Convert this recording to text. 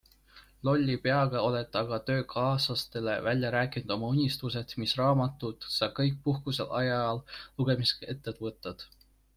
Lolli peaga oled aga töökaaslastele välja rääkinud oma unistused, mis raamatud sa kõik puhkuse ajal lugemiseks ette võtad.